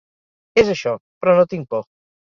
És això, però no tinc por.